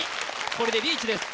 これでリーチです